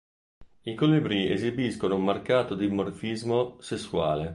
I colibrì esibiscono un marcato dimorfismo sessuale.